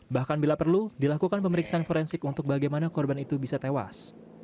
bahkan bila perlu dilakukan pemeriksaan forensik untuk bagaimana korban itu bisa tewas